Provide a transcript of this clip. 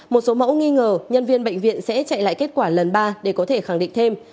một số mẫu nghi ngờ nhân viên bệnh viện sẽ chạy lại kết quả lần ba để có thể khẳng định thêm